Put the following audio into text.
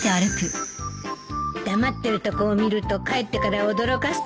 黙ってるとこを見ると帰ってから驚かすつもりだな